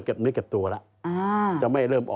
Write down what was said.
ก็อีก๔ปี